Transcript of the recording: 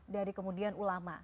dari kemudian ulama